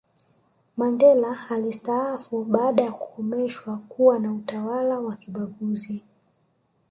mandela alisitaafu baada ya kukomeshwa kwa utawala wa kibaguzi